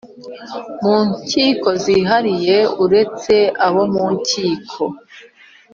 Mu nkiko zihariye uretse abo mu nkiko